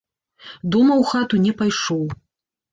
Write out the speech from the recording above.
Дома ў хату не пайшоў.